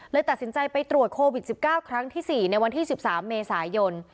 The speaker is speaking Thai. ตัดสินใจไปตรวจโควิด๑๙ครั้งที่๔ในวันที่๑๓เมษายน